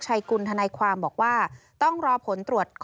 ส่วนรถที่นายสอนชัยขับอยู่ระหว่างการรอให้ตำรวจสอบ